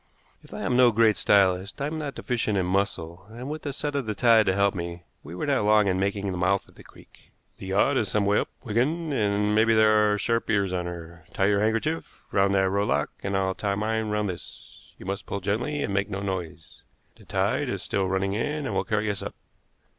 If I am no great stylist, I am not deficient in muscle, and, with the set of the tide to help me, we were not long in making the mouth of the creek. "The yacht is some way up, Wigan, and maybe there are sharp ears on her. Tie your handkerchief round that rowlock, and I'll tie mine round this. You must pull gently and make no noise. The tide is still running in, and will carry us up.